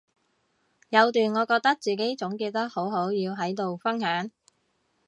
有段我覺得自己總結得好好要喺度分享